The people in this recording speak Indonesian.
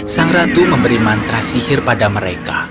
sang ratu memberi mantra sihir pada mereka